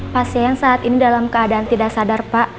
pasien saat ini dalam keadaan tidak sadar pak